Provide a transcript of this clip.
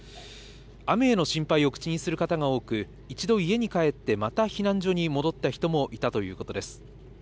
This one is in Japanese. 雨への心配を口にする方が多く、一度家に帰って、また避難所に戻った人もいたということです。